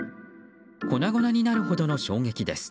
粉々になるほどの衝撃です。